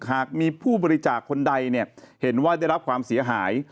หากมีผู้บริจาคคนใดเห็นว่าได้รับความเสียหาย